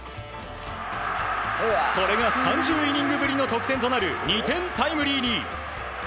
これが３０イニングぶりの得点となる２点タイムリーに。